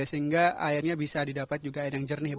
sehingga airnya bisa didapat juga air yang jernih